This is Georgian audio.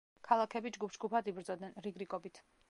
ქალაქები ჯგუფ-ჯგუფად იბრძოდნენ, რიგ-რიგობით.